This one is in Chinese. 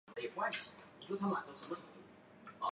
哈尔科夫地铁是乌克兰城市哈尔科夫的捷运系统。